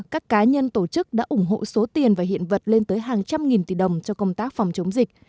các cá nhân tổ chức đã ủng hộ số tiền và hiện vật lên tới hàng trăm nghìn tỷ đồng cho công tác phòng chống dịch